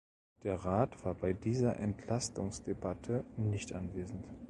Der Rat war bei dieser Entlastungsdebatte nicht anwesend.